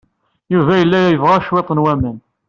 Yuba yella yebɣa cwiṭ n waman.